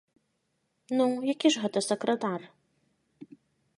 Ну, які ж гэта сакратар?